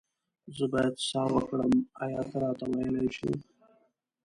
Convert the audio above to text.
زه بايد سه وکړم آيا ته راته ويلي شي